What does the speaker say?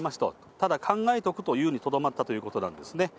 ただ、考えておくということにとどまったということなんですね。